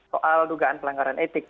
soal tugaan pelanggaran etik